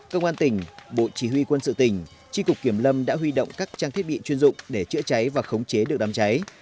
công an tỉnh bộ chỉ huy quân sự tỉnh tri cục kiểm lâm đã huy động các trang thiết bị chuyên dụng để chữa cháy và khống chế được đám cháy